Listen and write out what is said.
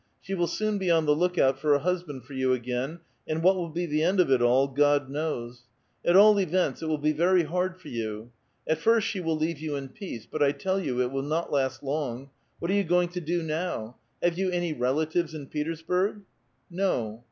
She will soon be on the look out for a husband for you again, and what will be"" the end of it all, (i<Kl knows. At all events, it will be verv hard for you. At first she will leave you in peace ; but I tell you it will not last long. What are you going to do now? Have you anv relatives in Petersburg?" '*No."